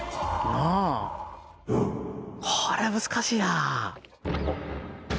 これ難しいな。